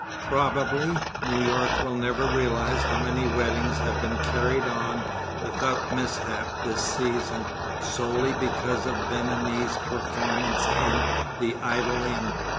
Probably New York will never realize how many weddings have been carried on without mishap this season solely because of Ben Ami's performance in The Idle Inn.